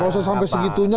gak usah sampai segitunya